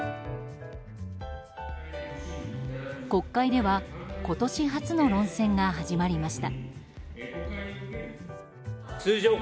国会では今年初の論戦が始まりました。